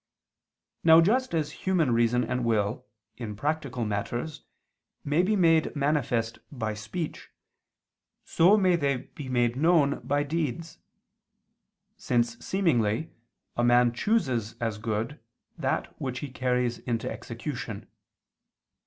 Now just as human reason and will, in practical matters, may be made manifest by speech, so may they be made known by deeds: since seemingly a man chooses as good that which he carries into execution.